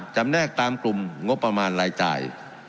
แนกตามกลุ่มงบประมาณรายจ่าย